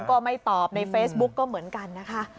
ก็ไม่ตอบในเฟซบุ๊กก็เหมือนกันนะคะ